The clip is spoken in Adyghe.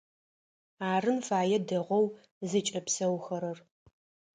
Арын фае дэгъоу зыкӀэпсэухэрэр.